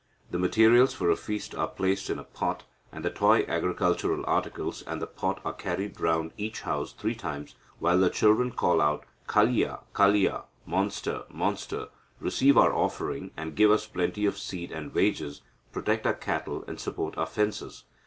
The materials for a feast are placed in a pot, and the toy agricultural articles and the pot are carried round each house three times, while the children call out 'Kalia, Kalia, monster, monster, receive our offering, and give us plenty of seed and wages, protect our cattle, and support our fences.'